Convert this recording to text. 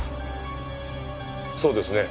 そうですね？